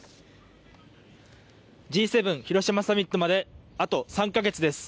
Ｇ７広島サミットまであと３か月です。